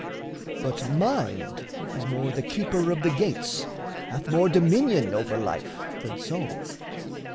But mind is more the keeper of the gates, Hath more dominion over life than soul.